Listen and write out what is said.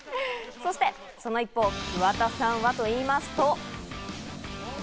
そしてその一方、桑田さんはといいますと。